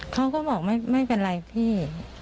เขาก็บอกไม่เป็นไรพี่